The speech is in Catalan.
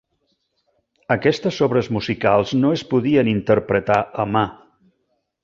Aquestes obres musicals no es podien interpretar a mà.